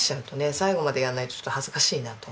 最後までやんないとちょっと恥ずかしいなと。